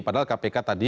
padahal kpk tadi